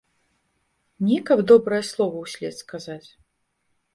Не каб добрае слова ўслед сказаць.